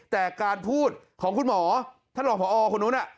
แต่การพูดของคุณหมอท่านรองพอคนนู้น